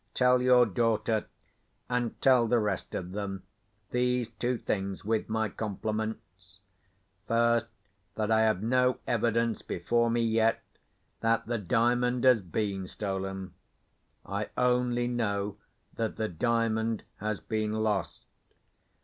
Tell your daughter, and tell the rest of them, these two things, with my compliments: First, that I have no evidence before me, yet, that the Diamond has been stolen; I only know that the Diamond has been lost.